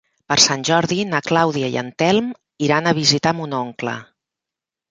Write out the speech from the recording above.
Per Sant Jordi na Clàudia i en Telm iran a visitar mon oncle.